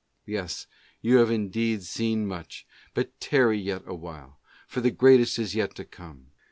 Yes, you have indeed seen much ; but tarry yet awhile, for the greatest is yet to come.